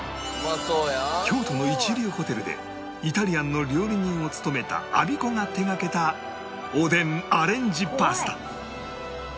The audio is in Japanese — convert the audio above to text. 京都の一流ホテルでイタリアンの料理人を務めたアビコが手掛けたおでんアレンジパスタ